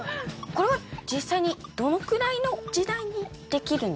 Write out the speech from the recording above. これは実際にどのくらいの時代にできるんですかね？